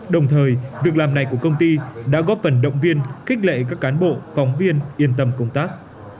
đồng thời việc làm này của công ty đã góp phần động viên khích lệ các cán bộ phóng viên yên tâm công tác